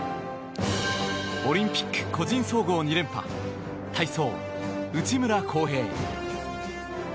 オリンピック個人総合２連覇体操、内村航平。